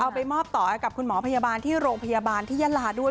ไปมอบต่อกับคุณหมอพยาบาลที่โรงพยาบาลที่ยะลาด้วย